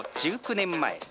１９年前。